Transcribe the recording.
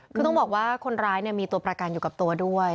คือต้องบอกว่าคนร้ายมีตัวประกันอยู่กับตัวด้วย